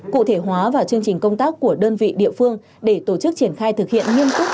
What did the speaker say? cụ thể hóa và chương trình công tác của đơn vị địa phương để tổ chức triển khai thực hiện nghiêm túc